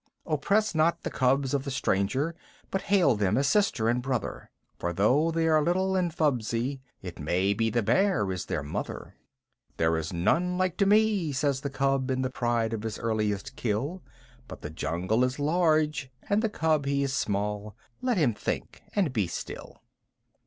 Oppress not the cubs of the stranger, but hail them as Sister and Brother, For though they are little and fubsy, it may be the Bear is their mother. "There is none like to me!" says the Cub in the pride of his earliest kill; But the jungle is large and the Cub he is small. Let him think and be still.